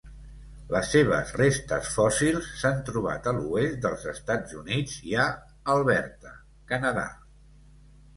Les seves restes fòssils s'han trobat a l'oest dels Estats Units i a Alberta, Canadà.